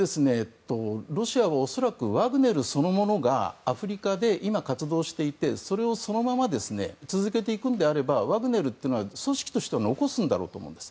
ロシアは恐らくワグネルそのものがアフリカで今、活動していてそれをそのまま続けていくならワグネルは組織として残すんだろうと思います。